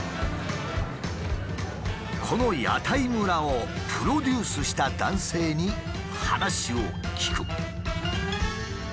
この屋台村をプロデュースした男性に話を聞く。